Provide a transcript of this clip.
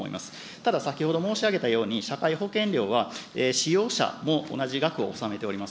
ただ先ほど申し上げたように、社会保険料は使用者も同じ額を納めております。